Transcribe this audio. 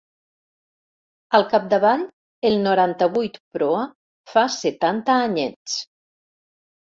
Al capdavall, el noranta-vuit Proa fa setanta anyets.